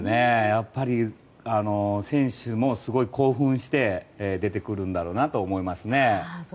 やっぱり選手もすごい興奮して出てくるんだろうなと思います。